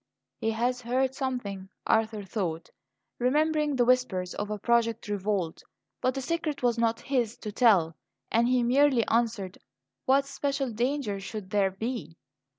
"He has heard something," Arthur thought, remembering the whispers of a projected revolt. But the secret was not his to tell; and he merely answered: "What special danger should there be?"